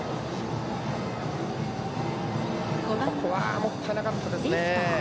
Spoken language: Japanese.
ここはもったいなかったですね。